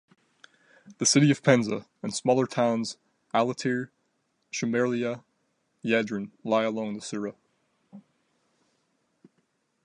The city of Penza, and smaller towns Alatyr, Shumerlya, Yadrin lie along the Sura.